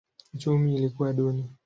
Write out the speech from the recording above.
Uchumi ilikuwa duni.